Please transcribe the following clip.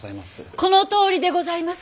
このとおりでございます。